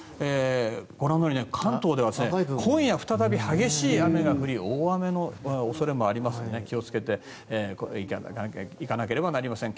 ご覧のように関東では今夜再び激しい雨が降り大雨の恐れもありますので気をつけていかなければなりません。